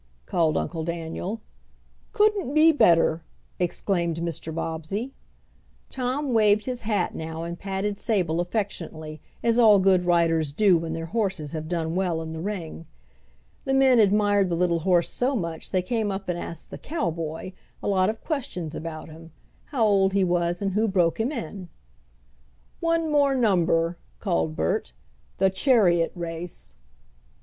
called Uncle Daniel. "Couldn't be better!" exclaimed Mr. Bobbsey. Tom waved his hat now and patted Sable affectionately, as all good riders do when their horses have done well in the ring. The men admired the little horse so much they came up and asked the "cowboy" a lot of questions about him, how old he was and who broke him in. "One more number," called Bert. "The chariot race."